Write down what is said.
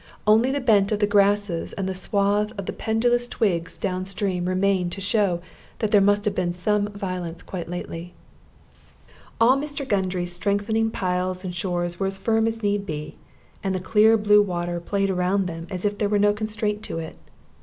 Only the bent of the grasses and the swath of the pendulous twigs down stream remained to show that there must have been some violence quite lately. All Mr. Gundry's strengthening piles and shores were as firm as need be, and the clear blue water played around them as if they were no constraint to it.